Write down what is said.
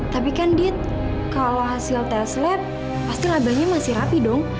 tapi kan dit kalau hasil tes lab pasti labelnya masih rapi dong